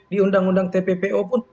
di undang undang tppo pun